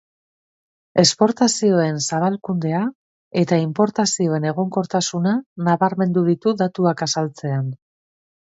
Esportazioen zabalkundea eta inportazioen egonkortasuna nabarmendu ditu datuak azaltzean.